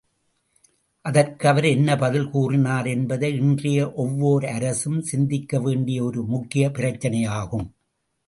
அதற்கு அவர் என்ன பதில் கூறினார் என்பதை இன்றைய ஒவ்வோர் அரசும் சிந்திக்க வேண்டிய ஒரு முக்கியப் பிரச்சினையாகும்.